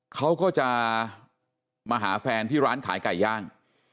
เขาก็จะมาหาแฟนที่ร้านขายไก่ย่าง